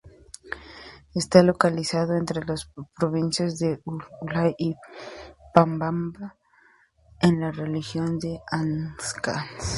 Está localizado entre las provincias de Huaylas y Pomabamba en la región de Áncash.